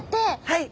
はい。